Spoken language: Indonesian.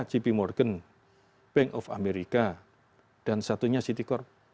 jp morgan bank of america dan satunya citicorp